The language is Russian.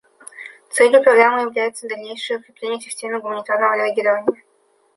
Целью программы является дальнейшее укрепление системы гуманитарного реагирования.